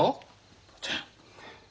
父ちゃん。